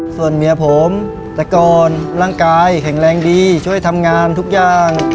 ส่วนเมียผมแต่ก่อนร่างกายแข็งแรงดีช่วยทำงานทุกอย่าง